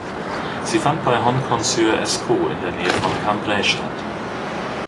Sie fand bei Honnecourt-sur-Escaut in der Nähe von Cambrai statt.